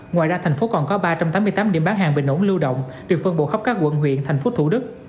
ngoài ra thành phố còn có ba trăm tám mươi tám điểm bán hàng bình ổn lưu động được phân bổ khắp các quận huyện thành phố thủ đức